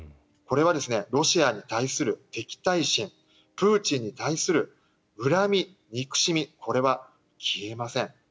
これはロシアに対する敵対心プーチンに対する恨み、憎しみこれは消えません。